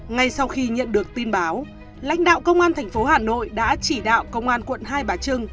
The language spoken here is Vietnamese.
ngay sau khi nhận được tin báo lãnh đạo công an tp hà nội đã chỉ đạo công an quận hai bà trưng